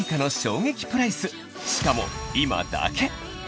しかも今だけ！